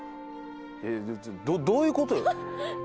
えどどういうことよ？